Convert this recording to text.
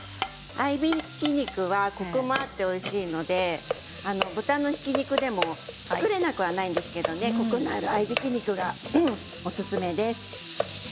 合いびき肉はコクがあっておいしいので豚のひき肉でも作れなくはないんですけれど合いびき肉がおすすめです。